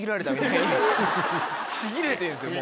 ちぎれてんですよ